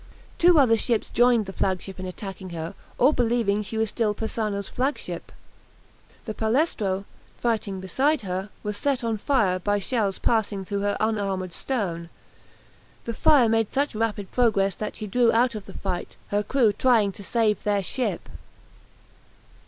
Two other ships joined the flagship in attacking her, all believing she was still Persano's flagship. The "Palestro," fighting beside her, was set on fire by shells passing through her unarmoured stern. The fire made such rapid progress that she drew out of the fight, her crew trying to save their ship.